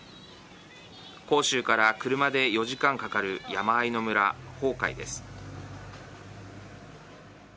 広州から車で４時間かかる山あいの村、封開です。